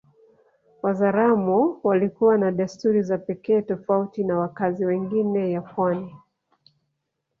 Wazaramo walikuwa na desturi za pekee tofauti na wakazi wengine ya pwani